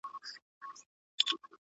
هغه څوک چي سبزیحات جمع کوي قوي وي؟!